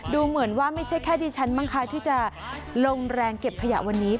ดูเหมือนว่าไม่ใช่แค่ดิฉันบ้างคะที่จะลงแรงเก็บขยะวันนี้